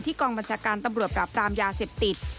กองบัญชาการตำรวจปราบปรามยาเสพติด